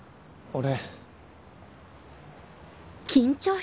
俺。